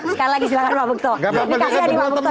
sekali lagi silahkan mbak bukto